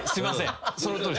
そのとおりです。